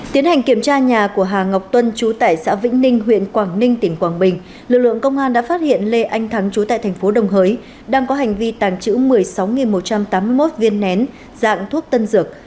tiến hành kiểm tra nhà của hà ngọc tuân trú tại xã vĩnh ninh huyện quảng ninh tỉnh quảng bình lực lượng công an đã phát hiện lê anh thắng trú tại thành phố đồng hới đang có hành vi tàng trữ một mươi sáu một trăm tám mươi một viên nén dạng thuốc tân dược